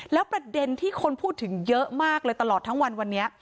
แล้วประเด็นที่คนพูดถึงเยอะมากเลยตลอดทั้งวันวันนี้